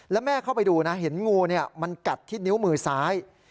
แล้วแม่เข้าไปดูนะเห็นงูมันกัดที่นิ้วมือซ้าย